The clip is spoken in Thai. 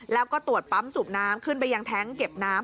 แล้วก็ตรวจปั๊มสูบน้ำขึ้นไปยังแท้งเก็บน้ำ